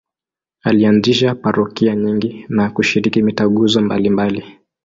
Alianzisha parokia nyingi na kushiriki mitaguso mbalimbali.